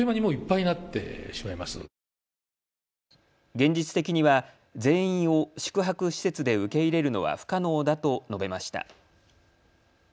現実的には全員を宿泊施設で受け入れるのは不可能だと述べました。